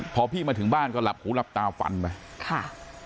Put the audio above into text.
พอพี่มาถึงบ้านก็หลับหูหลับตาฟันไปค่ะ